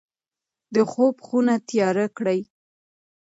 د خوب خونه تیاره کړئ.